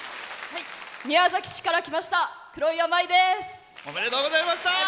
宮崎市から来ましたくろいわです。